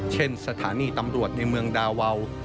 เช่นสถานีตำรวจในเมืองดาวาว